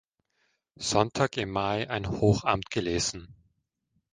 Sonntag im Mai ein Hochamt gelesen.